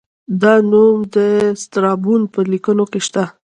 دا نوم د سترابون په لیکنو کې شته